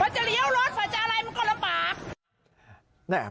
มันจะเลี้ยวรถมันก็ลำบาก